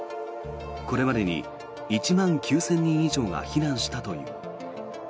これまでに１万９０００人以上が避難したという。